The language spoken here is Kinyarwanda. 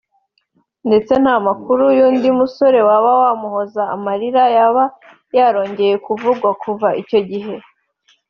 ndetse nta n’amakuru y’undi musore waba wamuhoza amarira yaba yarongeye kuvugwa kuva icyo gihe